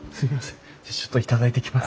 じゃあちょっと頂いてきます。